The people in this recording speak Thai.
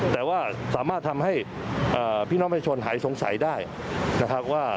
แต่ว่าสามารถทำให้พี่น้องประชาชนหายสงสัยได้นะครับว่า